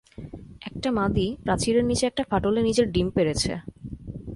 একটা মাদী প্রাচীরের নীচে একটা ফাটলে নিজের ডিম পেড়েছে।